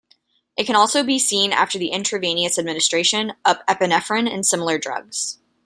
It can also be seen after the intravenous administration of epinephrine and similar drugs.